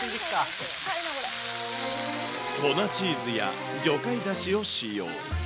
粉チーズや魚介だしを使用。